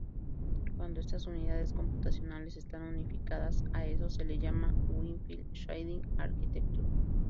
Cuando estas unidades computacionales están "unificadas", a eso se le llama Unified Shading Architecture.